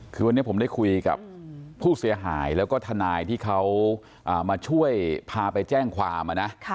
คือวันนี้ผมได้คุยกับผู้เสียหายแล้วก็ทนายที่เขามาช่วยพาไปแจ้งความนะ